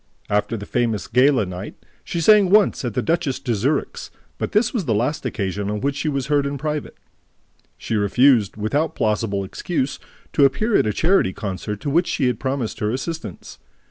After the famous gala night, she sang once at the Duchess de Zurich's; but this was the last occasion on which she was heard in private. She refused, without plausible excuse, to appear at a charity concert to which she had promised her assistance.